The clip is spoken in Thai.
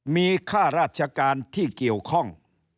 มีค่าราชการที่เกี่ยวข้อง